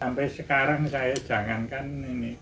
sampai sekarang saya jangankan ini